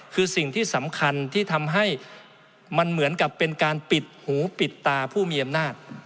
คือสิ่งที่สำคัญที่ทำให้มันเหมือนกับเป็นการปิดหูปิดตาผู้มีอำนาจ